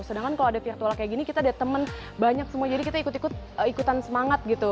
sedangkan kalau ada virtual kayak gini kita ada teman banyak semua jadi kita ikut ikutan semangat gitu